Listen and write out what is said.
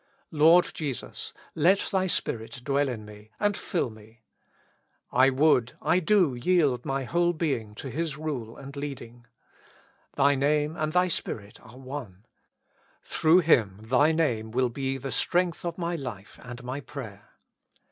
Lord Jesus ! let Thy Spirit dwell in me, and fill me. I would, I do yield my whole being to His rule and leading. Thy Name and Thy Spirit are one ; through Him Thy Name will be the strength of my life and my prayer.